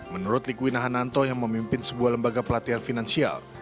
menurut likuina hananto yang memimpin sebuah lembaga pelatihan finansial